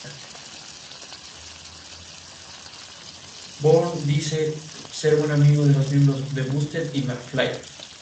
Bourne dice ser buen amigo de los miembros de Busted y McFly.